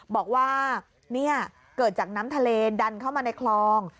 บอกว่าเนี่ยเกิดจากน้ำทะเลดันเข้ามาในคลอง